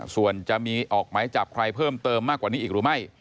ส่วนจะมีออกไหมจับใครเพิ่มเติมมากกว่านี้อีกหรือไม่